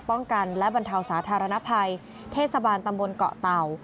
ป้องกันและบรรเทาสาธารณภัยเทศบาลตำบลเกาะเต่า